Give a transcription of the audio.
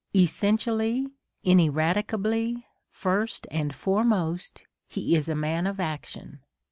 Essentially, ineradicably, first and foremost, he is a man of action.